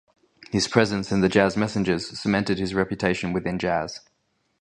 His presence in the Jazz Messengers cemented his reputation within jazz.